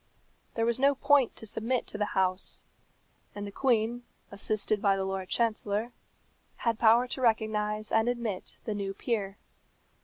There was no point to submit to the House, and the Queen, assisted by the Lord Chancellor, had power to recognize and admit the new peer.